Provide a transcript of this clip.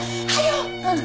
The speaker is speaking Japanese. うん。